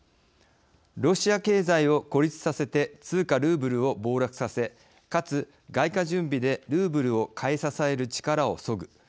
ロシア経済を孤立させて通貨ルーブルを暴落させかつ、外貨準備でルーブルを買い支える力をそぐ。